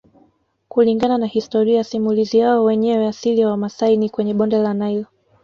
Kulingana na historia simulizi yao wenyewe asili ya Wamasai ni kwenye bonde la Nile